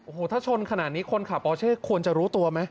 โอ้โหถ้าชนขนาดนี้คนขับออเช่ควรจะรู้ตัวไหม